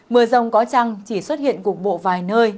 mưa rông có trăng chỉ xuất hiện cục bộ vài nơi